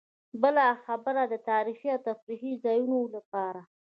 بله برخه د تاریخي او تفریحي ځایونو لپاره.